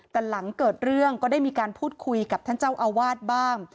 แต่หลังเกิดเรื่องก็ได้มีการพูดคุยกับท่านเจ้าอาวาสบ้าง